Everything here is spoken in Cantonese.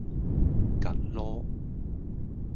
趷籮